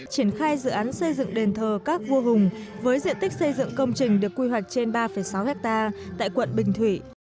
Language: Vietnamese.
triển khai dự án xây dựng đền thờ các vua hùng với diện tích xây dựng công trình được quy hoạch trên ba sáu hectare tại quận bình thủy